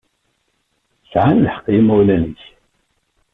Sɛan lḥeqq yimawlan-ik.